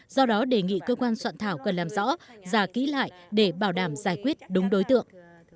do đó đề nghị cơ quan soạn thảo cần làm rõ giả ký lại để bảo đảm giải quyết đúng đối tượng